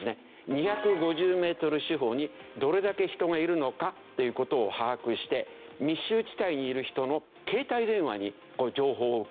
２５０メートル四方にどれだけ人がいるのかという事を把握して密集地帯にいる人の携帯電話にこういう情報を送る。